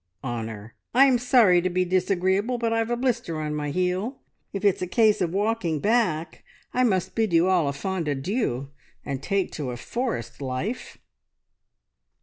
"Honor. `I'm sorry to be disagreeable, but I've a blister on my heel. If it's a case of walking back, I must bid you all a fond adieu and take to a forest life.'